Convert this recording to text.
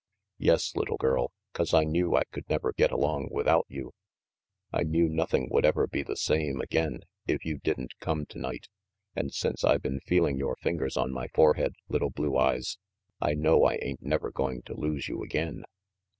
"Yes, little girl, 'cause I knew I could never get along without you. I knew nothing would ever be the same again if you didn't come tonight, and since I been feeling yore fingers on my forehead, little Blue Eyes, I know I ain't never going to lose you again.